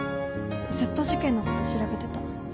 ずっと事件のこと調べてた。